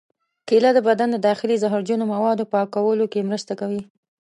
کېله د بدن د داخلي زهرجنو موادو پاکولو کې مرسته کوي.